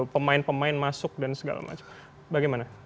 pemain pemain masuk dan segala macam bagaimana